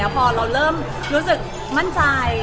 พอเรารู้สึกมั่นใจ